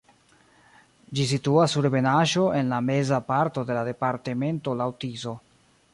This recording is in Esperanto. Ĝi situas sur ebenaĵo en la meza parto de la departemento laŭ Tiso.